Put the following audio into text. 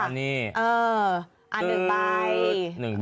อันนี้อันนึงไป